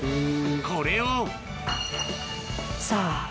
これをさぁ。